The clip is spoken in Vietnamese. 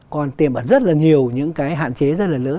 còn tiềm ẩn rất là nhiều những cái hạn chế rất là lớn